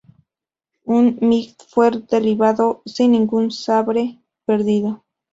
Un "MiG" fue derribado, sin ningún Sabre perdido.